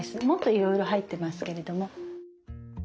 もっといろいろ入ってますけれども。